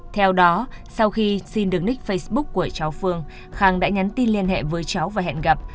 theo đó sau khi xin được nick facebook của cháu phương khang đã nhắn tin liên hệ với cháu và hẹn gặp